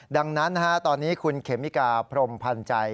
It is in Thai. ดังนั้นตอนนี้คุณเขมิกาพรมพันธ์ใจ